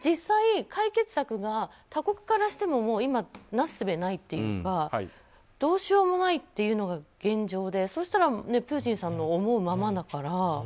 実際、解決策が他国からしても今、なすすべがないっていうかどうしようもないというのが現状でそうしたらプーチンさんの思うままだから。